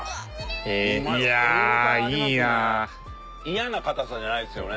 嫌な硬さじゃないですよね。